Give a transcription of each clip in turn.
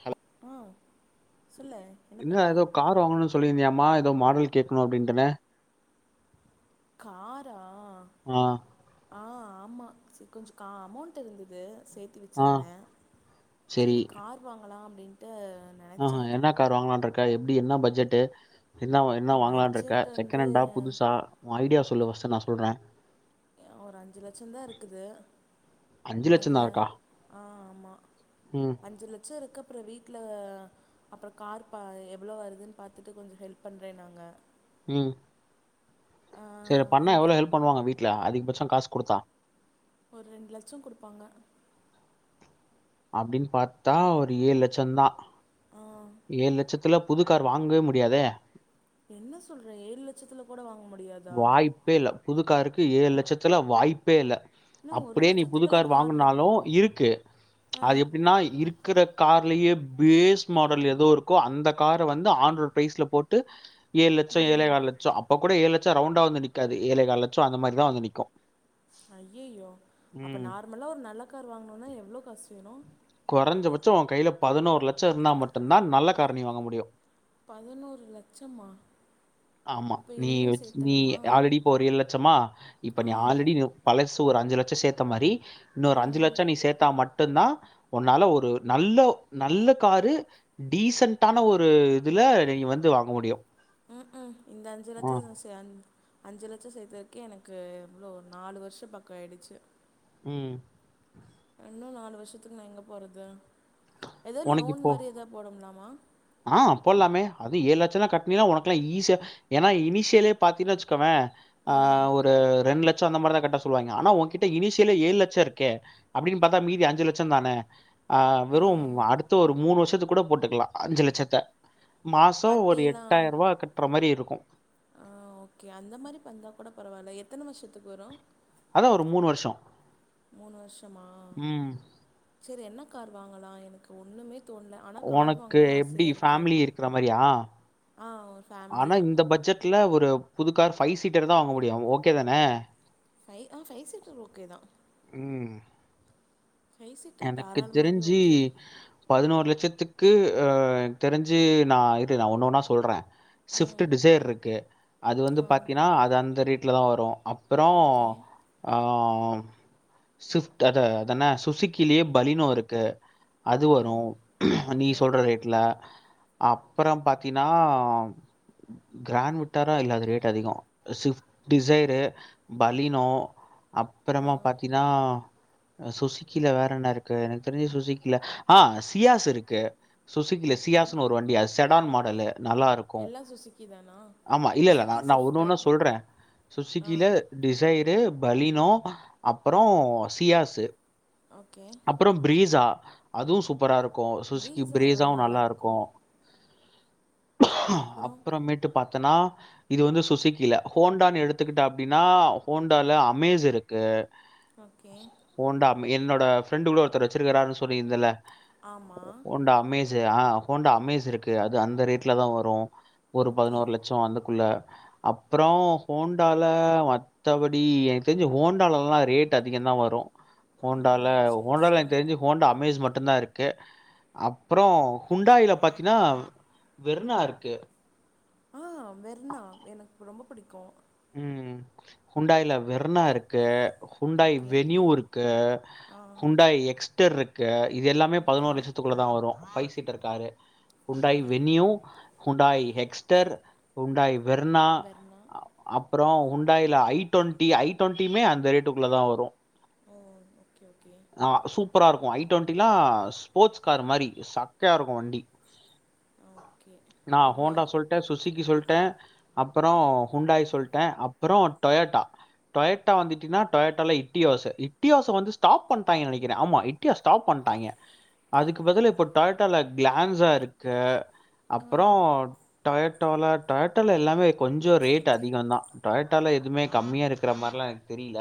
Hello ஆ சொல்லு என்ன பண்ற ஏதோ கார் வாங்கணுனு சொல்லியிருந்தியா மா ஏதோ மாடல் கேக்கணு அப்டிட்டுனு காரா ஆ ஆஹ் ஆமா மா சரி கொஞ்சே கா அமௌண்ட் இருந்துது சேத்தி ஆ வச்சிருந்தேன் சரி கார் வாங்கலாம் அப்டின்ட்டு ஆஹஹ என்ன கார் வாங்கலான்ருக் க எப்டி என்ன பட்ஜெட் என்ன என்ன வாங்கலான்னு பட்ஜெட் இருக்க செகண்ட் வந்து ஹண்டா புதுசா உ ஐடியாஸ் சொல்லு ஃபர்ஸ்ட் நா சொல்றே ஒரு அஞ்சு லட்சந்தா இருக்குது அஞ்சு லட்சம் அதுல தான் இருக்கா ஆஹ் ஆமா ம் அஞ்சு லட்ச இருக்க அப்புற வீட்ல அப்புறம் கார் பா எவ்ளோ வருதுன்னு பாத்துட்டு கொஞ்ச ஹெல்ப் பண்றேனாங்க ம் சரி பண்ணா இந்த எவ்வளவு ஹெல்ப் பண்ணுவாங்க வீட்டுல அதிகபட்ச காசு கொடுத்தா ஒரு ரெண்டு லட்ச கொடுப்பாங்க அப்டின்னு பாத்தா ஒரு ஏழு லட்சந்தா ஆ ஏழு லட்சத்துல புதுக்கார் வாங்கவே முடியாதே என்ன சொல்றே ஏழு லட்சத்துல கூட வாங்க முடியாதா வாய்ப்பே இல்ல புதுக்காருக் கு ஏழு லட்சத்துல வாய்ப்பே இல்ல என்ன ஒரு அப்படியே நீ லட்சத்துக்கெல்லா புதுக்கார் கார் இருக் வாங்குனாலு இருக்கு ஆ அது எப்டின்னா இருக் இருக்கற கார்லயே பேஸ் மாடல் ஏதோ இருக்கோ அந்த கார வந்து ஆண்டரோ ப்ரைஸ்ல போட்டு ஏழு லட்ச ஏழேகால் லட்ச அப்ப [unintelligible] ச்சா ரவுண்டா வந்து நிக்காது ஏழே கால் லட்சம் அந்த மாரிதா வந்து நிற்கும் ஐயையோ அப்ப நார்மலா ஒரு நல்ல கார் வாங்கனும்னா எவ்ளோ காசு வேணும் [unintelligible] உன் கையில பதினோரு லட்சம் இருந்தா மட்டும்தான் நல்ல கார் நீ வாங்க முடியும் பதினொரு லட்சமா ஆமா. அப்ப நீ இன்னும் வச் சேர்த் நீ ஆல்ரெடி போறீ லட்சமா இப்ப ஆ நீ ஆல்ரெடி பலஸ் ஒரு அஞ்சு லட்சம் சேத்த மாரி இன்னொரு ம் அஞ்சுலட்சம் நீ சேர்த்தா மட் மட்டும்தான் உன்னால ஒரு நல்ல நல்ல காரு டீசண்டான ஒரு இதுல நீங்க வந்து வாங்க முடியும் ம் ம் இந்த அஞ்சு ஆ. லட்சத்த [unintelligible] அஞ்சு லட்சம் சேர்த்ததுக்கே எனக்கு இவ்ளோ நாலு வருஷம் பக்கம் ஆயிடுச்சு ம் இன்னும் நாலு வருஷத்துக்கு நா எங்க போறது ஏதாவது உனக்கு லோன் இப்போ மாரி ஏதாவ போடும்லாமா ஆ போலாமே அதுவும் ஏழு லட்சம்னா கட்டினனா உனக்கலாம் ஈஸியா ஏன்னா இனிஷியலே பாத்தீங்வச்சுக்கவ ம் ஆஹ் ஒரு ரெண்டு லட் ஸ்ட் அந்த மாரிதா கட்ட சொல்லுவாங்க ஆனா உங்ககிட்ட இனிசியல ஏழு லட்சம் இருக்கே அப்படின்னு பாத்தாமீதி அஞ்சு லட்சம் தானே அ ஆ வெறும் அடுத்த ஒரு மூணு வருஷத்துக் கூட போட்டுக்கலாம் அஞ்சுலட்சத்த மாசம் ஒரு வட்டியெல்லா எட்டாயிரம் ரூபா கட்டுற மாரி இருக்கும் ச ஆ ஓகே அந்த மாதிரி பந்தா கூட பரவாயில்ல எத்தனை வருஷத்து போறோ அதான் ஒரு மூணு வருஷம் மூணு வருஷமா ம் சரி என்ன கார்வாங்களா எனக்கு ஒண்ணுமே உனக்கு எப்படி ஃபேமிலி இருக்கிற மாரியா ஆ ஒரு ஆனா ஃபேமிலியா இந்த பட்ஜெட்ல ஒரு புதுக்கார் பபைவ் சீட்டர் தான் வாங்க முடியும் ஓகே தானே பைவ் ஆஹ ஃபைவ் சீட்டர் ஓகே தான் ம் எனக்கு தாராளமாவே தெரிஞ்சி ஓகே பதினோரு லட்சத்துக்கு என தெரிஞ்சு நான் இரு நான் ஒன்னொ னெரன்றா சொல்றேன் சிவிப்ட் ம் டிசைர் இருக்கு அது வந்து ஆ பாத்தீங்கன்னா அது அந்த ரீட் ட்டுல தா வரூ அப்றோ ஓகே ஆ ஆ சிவிஃப்ட் அத அதான சுசிக் க்கிலோ பலினோ இருக்கு அது ஆ வரூ நீ ஓகே சொல்ற ரேட்ல அப்றே பாத்தீன்னா கிராண்ட் விட்டாரா இல்ல அது ரேட் அதிகோ சிஃப்ட் டிசைரு பலினோ ஆ அப்றமா பாத்தீன்னா அ சுசி கீழ வேற என்னருக்கு எனக்கு தெரிஞ்சு சுசிக்கில ஆ சியாஸ் இருக்கு சுசிக்கில ஓகே சியாஸ்னு ஒரு வண்டி அது செடான் மாட் அத்ல நல்லாருக்கூ எல்லா சுசுக்கி தானா ஆமா இல்லல்ல சுசுக்கி நான் ஒன்னு ஸ்விஃப்ட்டு ஒன்னா சொல்றே ஆ சுசிக்கீல டிசைரு பலினோ அப்றோ சியாசு ஓகே அப்றோ ப்ரீஸா அதுவூ சூப்பராருக் க்கூ சுசிக்கு ப்ரீஸா பிரீஸாவூ நல்லாருக்கு நல்லாருக்கூ அப்புறோ அப்புறமேட்டு பத் த்தனா இது வந்து சுசுக்கில ஹோண்டான்னு எடுத்துக்கிட்ட அப்டின்னா ஹோண்டால அமேஸ் இருக்கு ஓகே ஹோண்டா என்னோட ஃப்ரெண்டு கூட ஒருத்தரு வச்சிருக்கிறாருனு சொலிருந்தல்ல ஆமா உண்ட அமேச ஆஹ் ஹோண்டா அமேஸ் இருக்கு அது அந்த ரேட்ல தா வரு ஒரு ஓகே பதினோரு லட்சோ அந்தக்குள்ள அப்றோ ஹோண்டால மத்தபடி எனக் தெரிஞ்சு ஹோண்டாலல்லா ரேட்டு அதிகந்தா வரு ஆ ஹோண்டால சேரி ஹோண்டால எனக் சேரி தெரிஞ்சி ஹோண்டா அமேஸ் மட்டும் தா இருக்கு க்கே அப்றோ ஹுண்டாயில பாத்தீனா வெர்னா இருக்கு ஆஹ் வெற்ணா எனக்கு ரொம்பப் புடிக்கோ ம் ஹுண்டாயில வெர்னா இருக்கு ஹுண்டாயி ஓகே வென்யூ இருக்கு ஆ ஹுண்டாய் எக்ஸ்டர்ருக் கே இது எல்லாமே ஓகே பதினோரு லட்சத்துக்குள்ளதான் வரு five seater car Hyundai okay Venue Hyundai Exter Hyundai Verna Verna அப்றோ ஹுண்டாயில ஐ டொன்ட்டி ஐ டொன்ட்டியுமே அந்த ரேட்டுக்குள்ள தா வரு ஓ ஓகே ஓகே ஆஹ் சூப்பரா இருக் ஐ டோன்ட்டிலா ஸ்போர்ட்ஸ் கார் மாரி சக்கையா இருக்கும் வண்டி ஆ ஓகே நா இவ்வளோ ஹோன்டா சொல்ட்டேன் சுசுக்கி சொல்லிட்டேன் அப்பறோ ஹூண்டாயி சொல்டேன் அப்புறம் டோயாட்டா டோயாட்டா வந்துச்சின்னா டோயாட்டால இட்டியோச இட்டியோச வந்து ஸ்டாப் பண்டாங்கன் நினைக்கிறன் ஆமா இட்டியோச ஸ்டாப் பண்டாங்க அதுக்கு பதிலா இப்போ டொயோட்டால கிளான்ஸா இருக்கு ஆ அப்புறம் டொயாட்டால டொயாட்டால எல்லாமே கொஞ்சோ ரேட் அதிகோ தா டோயட்டால எதுமே கம்மியா இருக்கிற மார்லா எனக்கு தெரில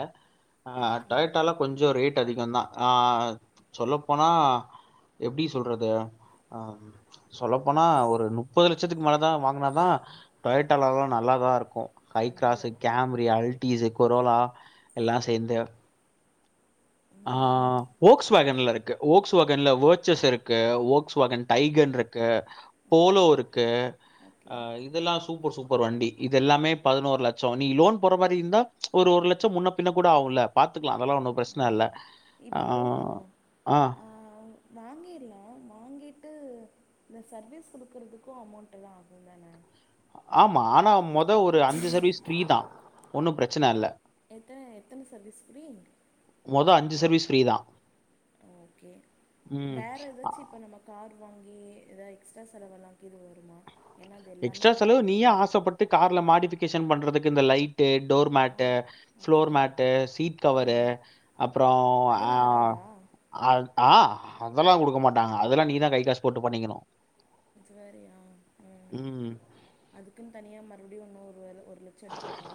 ஆஹ் ஓகே டொயட்டால்லா கொஞ்சோ ரேட் ரேட் அதிகந் தான் ஆஹ் சொல்லப்போனா எப்டி சொல்றது ஆ சொல்லப்போனா ஒரு முப்பது லட்சத்துக்கு மேலதான் வாங்கினாதான் டோயாட்டால லா நல்லாதான் இருக்கும் ஹை ஐயோ கிராஸு கேம்ரி அல்ட் டீஸே கொரோலா எல்லா சேந்து ம், ஆஹ் ஓக்ஸ் வேகன்லருக்கு ஓக்ஸ் வேகன்ல வோச்சஸ் இருக்கு ஓஸ் வேகன் டைகன்ருக்கு ஓகே போனு இருக்கு ஓகே ஆஹ் இதெல்லாம் சூப்பர் சூப் ஒரு வண்டி இப் இது எல்லாமே பதினோர் லட்சம் நீ லோன் போடுற மாரி இருந்தா ஒரு ஒரு லட்சம் முன்ன பின்ன கூட ஆகும்ல பாத்துக்கலா அதெல்லா ஒன்னு பிரச்சன இல்ல ஆ இப்போ ஆ ஆஹ் வாங்கிற்லாம் வாங்கிட்டு இந்த சர்வீஸ் குடுக்குறதுக்கோ அமௌண்ட்டல்லா ஆகு தான ஆமா ஆனா மொத் தோ ஒரு அஞ்சு சர்வீஸ் ஃப்ரீ தா ஒன்னு பிரச்சன இல்ல எத்தன எத்தன சர்வீஸ் ஃப்ரீ டி சர்வீஸ் ஃப்ரீ தா ஓகே வேற எதாச்சு இப்ப நம்ம கார் வாங்கி ஏதா எக்ஸ்ட்ரா செலவல்லாக்கி இது வருமா ஏன்னா அது எல்லாமே எக்ஸ்ட்ரா நான் செலவு நீயா பார்க்கணும் ஆசப்பட்டு கார்ல மாட்டிட்டு கிஷன் பண்றதுக்கு இந்த லைட் டு டோர் ஆ mat okay floor mat seat cover ஆ அப்றோ அ அதெல்லா வராதா அ ஆ அதெல்லா குடுக்க மாட்டாங்க அதெல்லா நீ தா கைக்காசு போட்டு பண்ணிக்கணூ இது வேறாயா ம் அதுக்குன் தனியா மறுபடியூ இன்னொர்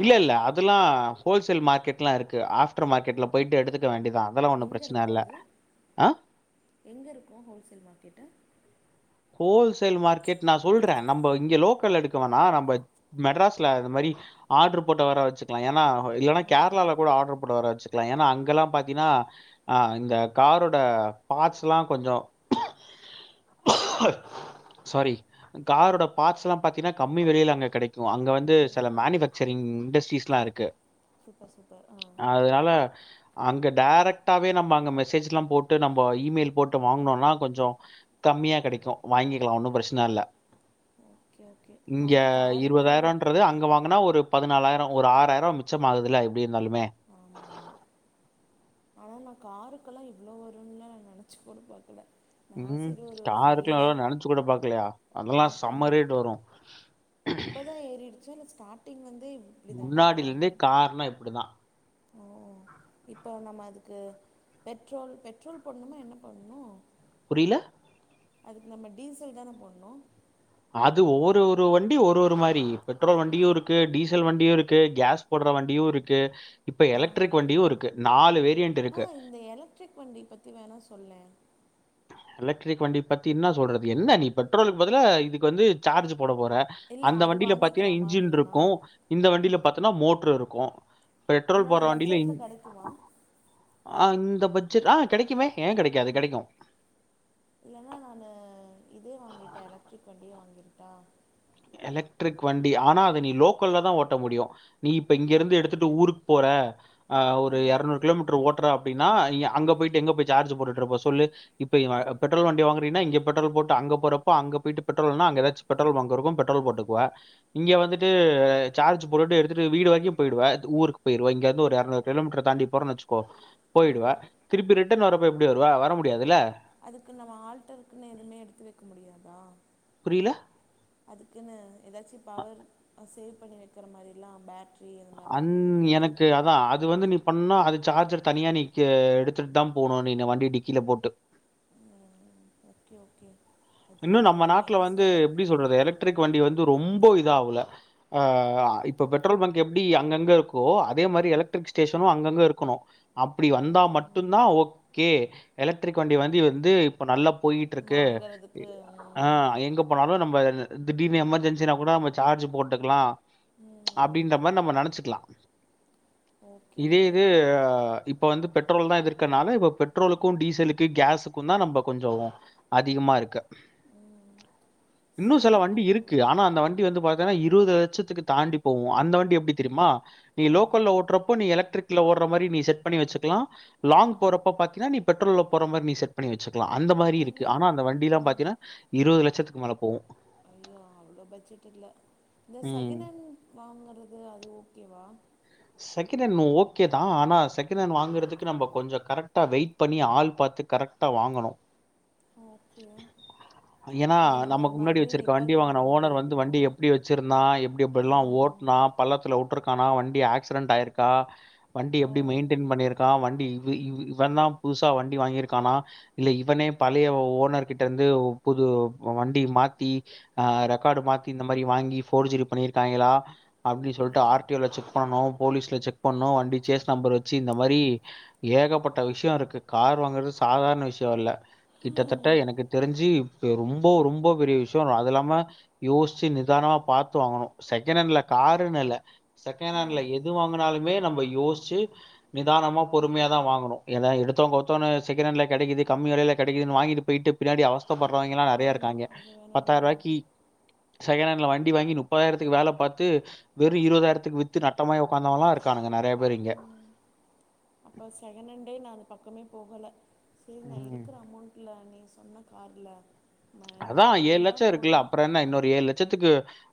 இல்லல்ல அதுலா ஹோல்ஸ் சேல் மார்க்கெட்லாருக்கு ஆஃப்டர் மார்கெட்ல போயிட்டு எடுக்க வேண்டியத் எங்க இருக்கூ அது எங்க இருக்கூ ஹோல்சேல் மார்க்கெட்டு ஹோல்சேல் மார்க்கெட் நா சொல்றே நம்ப இங்க லோக்கல்ல எடுக்க வேணா நம்ம மெட்ராஸ்ல இத மாரி ஆர்டர் போட்ட வர வச்சுக்கலா ஏனா இல்லன்னா ஆ கேரளால கூட ஆர்டர் போட்ட வர வச்சுக்கலா ஏனா அங்கல்லா பாத்தீன்னா ஆ இந்த காரோட பார்ட்ஸ்ல்லா கொஞ்சோ சாரி காரோட பார்ட்ஸ்லா பாத்தீன்னா கம்மி வெலயில அங்க கெடைக்கூ அங்க வந்து ஓ சில மேனுஃபேக்சரிங் இண்டஸ்ட்ரீஸ்லா இருக்கு சூப்பர் சூப்பர் ஆ அதனால அங்க டேரக்ட்டாவே நம்ம அங்க மெசேஜ் எல்லா போட்டு நம்ம இமெயில் போட்டு வாங்கனோம்னா கொஞ்சோ கம்மியா கெடைக்கு வாங்கிக்கலா ஒன்னு பிரச்சன இல்ல ஓகே ஓகே இங்க ஆனா கார்னு இருபதாயிரம்ன்றது அங்க வாங்குனா ஒரு பதினாலாயிரம் ஒரு ஆறாயிரம் மிச்சம் ஆதுல எப்டி இருந்தாலுமே ஆமா ஆனா நா காருக்கெல்லா இவ்ளோ வரும்னுலா நா நெனச்சு கூட பாக்கல நா ம் சரி ஒரு ஃபைவ் காருக்குலா அலா லேக் நெனச்சு கூட பாக்கலையா அதுல்லா ஆ ஆ செம்ம ரேட் வரு டாட்டிங் வந் முன்னாடிலேர்ந்தே கார்னா இப்டிதா ஓ இப்போ நம்ம அது து பெட்ரோல் பெட்ரோல் போட்ணுமா என்ன பண்ணு புரிய்ல அதுக்கு நம்ம டீசல் தான போட்ணு அது ஒரு ஒரு வண்டி ஒரு ஒரு மாரி பெட்ரோல் வண்டியு இருக்கு டீசல் வண்டியு இருக்கு கேஸ் போட்ற வண்டியு இருக்கு இப்ப ஆ எலக்ட்ரிக் வண்டியு இருக்கு நாலு வெ ஆ இந்த எலக்ட்ரிக் வண்டி பத்தி வேணா சொல்லே எலக்ட்ரிக் வண்டி பத்தி என்னா சொல்றது என்ன நீ பெட்ரோலுக்கு பதிலா இதுக்கு வந்து சார்ஜு போட போற இல்லை அந்த அது வண்டியில பாத்தீங்னா வாங்கிக்கலாமா இன்ஜின் இல்லைனா இருக்கு இந்த வண்டியில பாத்துனா மோட்ரு இருக்கு என்னோட பட்ஜெட்ல கெடைக்குமா ஆ இந்த பட்ஜெட் ஆ கெடைக்குமே ஏ கெடைக்காது கெடைக்கு இல்லைனா நான் ட்டா எலக்ட்ரிக் வண்டி ஆனா அத நீ லோக்கல்ல தா ஓட்ட முடியு நீ இப்ப இங்க இருந்து எடுத்துட்டு ஊருக்கு போற ஆ ஒரு எரநூறு கிலோமீட்ரு ஓட்ற அப்டின்னா ய அங்க போயிட்டு எங்க போய் சார்ஜு போட்டுட்ருப்ப சொல்லு இப்ப இவ பெட்ரோல் வண்டி வாங்குறீனா இங்க பெட்ரோல் போட்டு அங்க போறப்போ அங்க போயிட்டு பெட்ரோல்னா அங்க ஏதாச்சு பெட்ரோல் பங்க்கு இருக்கு பெட் ட்ரோல் போட்டுக்குவ இங்க வந்துட்டு சார்ஜ் போட்டுட்டு எடுத்துட்டு வீடு வரைக்கு பொய்டுவ ஊருக்கு பொய்ருவ இங்க வந்து ஒரு எறநூறு கிலோமீட்ரு தாண்டி போறன்னு வச்சுக்கோ பொய்டுவ திருப்பி ரிட்டன் வரப்ப எப்டி வருவ வர முடியாதுல்ல அதுக்கு நம்ம ஆல்டருக்குன்னு எதுவுமே எடுத்து வைக்க முடியாதா புரியல அதுக்குன்னு ஏதாச்சும் பவர் சே பண்ணி வைக்கிற மாரில்லாம் பேட் அன் எனக்கு அதான் அது வந்து நீ ப பண்ணா அது சார்ஜர் தனியா நிக்கு எடுத்துட்டு தான் போணும் நீ இந்த வண்டி டிக்கில போட்டு ம் ஓகே ஓ இன்னும் நம்ம நாட்டுல வந்து எப்பிடி சொல்றது எலக்ட்ரிக் வண்டி வந்து ரொம் ரொம்ப இதாகுல ஆஹ இப்ப பெட்ரோல் பங்க் எப்டி அங்கங்க இருக்கோ அதே மாறி எலக்ட்ரிக் ஸ்டேஷனும் அங்கங்க இருக்கணு அப்டி வந்தா ம் மட்டும்தான் ஓக் கே எலக்ட்ரிக் வண்டி வந்து வந்து இப்ப நல்லா போ போயிட்டிருக்கு வாங்குறதுக்கு ம் ஆஹ் எங்க போனாலும் நம்ம வ திடீர்னு எமர்ஜென்சினா கூட நம்ம சார்ஜ் போட்டுக்கலாம் ம் அப்படின்ற மாறி நம்ம நினைச்சுக்கலாம் ஓகே இதே ஓகே இது அ ப் இப்போ வந்து பெட்ரோல் தான் எது இருக்கனால இப்போ பெட்ரோலுக்கும் டீசலுக்கு கேஸுக்கும் தான் நம்ம கொஞ்சம் அதிகமாக இருக்கு ம் இன்னும் சில சரி வண்டி அப்போ இருக்கு ஆனா அந்த வண்டி வந்து பாத்தன்னா இரு இருபது லட்சத்துக்கு தாண்டி போவோம் அந்த வண்டி எப்படி தெரியுமா நீ ஆ லோக்கல்ல ஓட்றப்போ நீ எலக்ட்ரிக் ல ஓட்ற மாறி நீ செட் பண்ணி வெச்சக்கலாம் ஆ லாங் போறப்ப பாத்தீனா பெட்ரோல்ல போற மாறி நீ செட் பண்ணி வெச்சுக்க லாம் அந்த மாறி இருக்கு வர்றா ஆனா அந்த ஆ வண்டில்லாம் பாத் இருபது லட்சத்துக்கு மேல போவும் ஐயோ அவ்ளோ பட்ஜெட் இல்ல இந்த ம். செகண்ட் ஹேண்ட் வாங்கறது அது ஓகேவா செகண்ட் ஹண்ட் ஓகே தான் ஆனா செகண்ட் ஹேண்ட் வாங்கறதுக்கு நம்ம கொஞ்சம் கரெக்டா வெயிட் பண்ணி ஆள் பாத்து கரெக்டா வாங்கணும் ஓகே ஏன்னா அது நம்ம நமக்கு முன்னாடி மறுபடியும் வச்சிருக்க வண்டி ரிப்பேர் வாங்குன பண்ணுற மாதிரி ஓனர் வந்து வண்டி இருக்கும் எப்படி வச்சிருந்தான் எப்படிஎப்டில்லாம் ம் ஓட்டுனான் பள்ளத்துல விட்டுருக்க ஆனா வண்டி ஆக் ஆக்சிடெண்ட் ஆயிருக்கா வண்டி ஓ எப்படி மெயின்டெயன் பண்ணியிருக்கான் வண்டி இ இவன் தான் புதுசா வண்டி வாங்கிருக்கானா இல்ல இவனே பழைய ஓனர் கிட்ட இருந்து புது வண்டி மாத்தி ஹ் ரெக்கார்டு மாத்தி இந்த மாதிரி வாங்கி ஃபோர்ஜரி பண்ணியிருக்காங்களா அப்படின்னு ஓ சொல்லிட்டு ஆர்டிஓ செக் பண்ணனும் போலீஸ்ல செக் பண்ணும் வண்டி சேஸ் நம்பர் வச்சு இந்த மாதிரி ஏகப்பட்ட விஷயம் இருக்கு கார் வாங்கறது சாதாரண விஷயம் இல்ல கிட்டத்தட்ட எனக்கு தெரிஞ்சு ரொம்ப ரொம்ப பெரிய விஷயம் அது இல்லாம யோசிச்சு நிதானமா பாரத்து வாங்கணும் செகண்ட் ஹேண்ட்ல காருன்னு இல்ல செகண்ட்ஹண்ட்ல ம் எது வாங்குனாலுமே நம்ம யோசிச்சு நிதானமா பொறுமையா தான் வாங்கனும் ஏதோ எடுத்தோம் கவுத்தோனு செகண்ட் ஹேண்ட்ல்ன கெடைக்குது கம்மியா தான் கிடைக்குதுன்னு வாங்கிட்டு போயிட்டு பின்னாடி அவஸ்தை படறவங்கல்லாம் நிறைய இருக்காங்க ஆமாம் அது வேணா பத்தாயிரம் உண்மைதான் ரூபாய்க்க செகண் ஹாண்ட்ல வண்டி வாங்கி முப்பதாயிரத்துக்கு வேலை பாத்து வெறு இருவதாரத்துக்கு வி்த்து நட்டமாய் போனவன்லா இருக்க டானுங்க நெறைய பேர் இங்க அப்போ செகண்நண்டே நா அது பக்கமே போகல சரி நா ம் இருக்ற அமௌண்ட்ல நீ சொன்ன கார்ல அதா ஏழு லட்சோ இருக்குல்ல அப்றோ என்ன இன்னொரு ஏழு லட்சத்துக்கு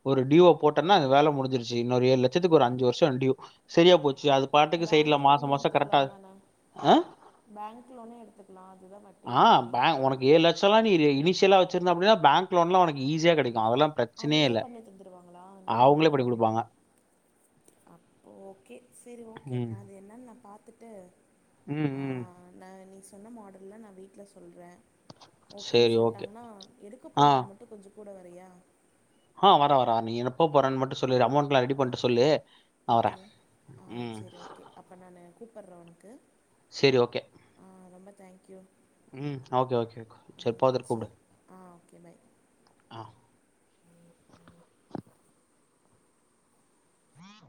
ஒரு டியூவ போட்டன்னா வேலை முடிஞ்சிருச்சு இன்னொரு ஏழு லட்சத்துக்கு ஒரு அஞ்சு வருசோ டியூ சரியா போச்சு அது பாட்டுக்கு சைட்ல பேங்க் லோனே மாசம் மாசம் எடுத்துக்கலா கரெக்டா தானே ஆ பேங்க் லோனே எடுத்துக்கலா அதுதா ஆஹ் பெங் உனக்கு ஏழு லட்சோலா [unintelligible] இனிசியலா வச்சிருந்த அப்டினு பேங்க்லோன்லா உனக்கு ஈஸியா கிடைக்கு அவங்களே பண்ணி தந்துடுவாங்களா இல்ல நம்ம அவங்களே பண்ணி பண்ணுமா குடுப்பாங்க. அப்ப ஓகே செரி ஓகே நா அது என்ன பாத்துட்டு உம் உம் சொன்ன மாடல்லா நா வீட்ல சொல்றே ஓகேன்னு சரி ஓகே. சொல்லிட்டாங்கனா எடுக்க போறப்ப மட்டு கொஞ்சோ கூட வரியா ஆஹ் வரே வரே நீ எப்ப போறானு மட்டு சொல் லு அமௌண்ட்லா ரெடி பண்ட்டு சொல்லு நா வரே ஓகே ஆ உம் க்கு செரி ஓகே ரொம்ப தங்க் யூ உம் ஓகே ஓகே சேரி பாத்துட்டு கூப்டு சரி ஆ ஓகே பை ஆஹ் [inaudible]